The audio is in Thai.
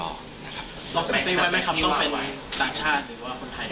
รอบสมัยไว้ไหมครับต้องเป็นต่างชาติหรือว่าคนไทย